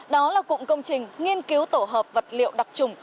đó là cụm công trình nghiên cứu tổ hợp vật liệu đặc trùng